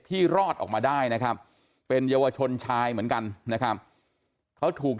รอดออกมาได้นะครับเป็นเยาวชนชายเหมือนกันนะครับเขาถูก